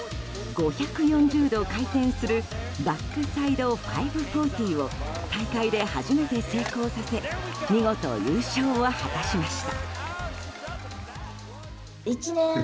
５４０度回転するバックサイド５４０を大会で初めて成功させ見事、優勝を果たしました。